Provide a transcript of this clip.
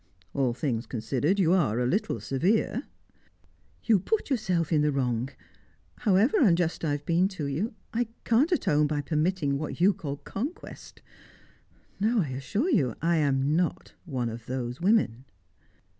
"All things considered, you are a little severe." "You put yourself in the wrong. However unjust I have been to you, I can't atone by permitting what you call conquest. No, I assure you, I am not one of those women."